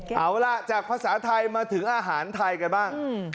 เอาล่ะจากภาษาไทยมาถึงอาหารไทยกันบ้าง